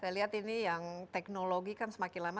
saya lihat ini yang teknologi kan semakin lama